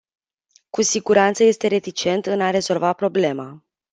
Cu siguranță este reticent în a rezolva problema.